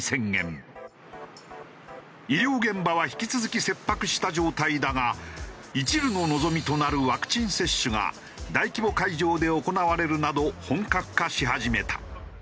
医療現場は引き続き切迫した状態だが一縷の望みとなるワクチン接種が大規模会場で行われるなど本格化し始めた。